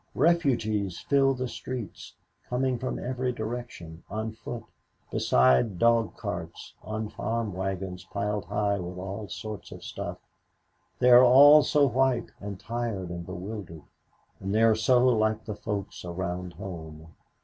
"Refugees fill the streets, coming from every direction, on foot, beside dog carts, on farm wagons piled high with all sorts of stuff. They are all so white and tired and bewildered and they are so like the folks around home.